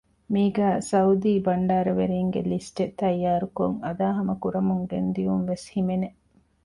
މީގައި ސުޢޫދީ ބަންޑާރަވެރީންގެ ލިސްޓެއް ތައްޔާރުކޮށް އަދާހަމަކުރަމުން ގެންދިޔުން ވެސް ހިމެނެ